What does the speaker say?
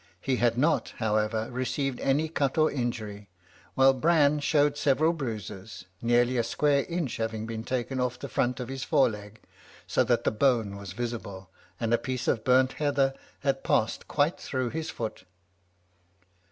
He had not, however, received any cut or injury, while Bran showed several bruises, nearly a square inch having been taken off the front of his fore leg, so that the bone was visible, and a piece of burnt heather had passed quite through his foot.